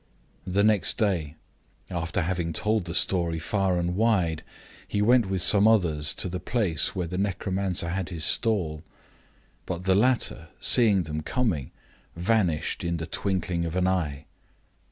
The next day, after having told the story far and wide, he went with some others to the place where the necromancer had his stall; but the latter, seeing them coming, vanished in the twinkling of an eye.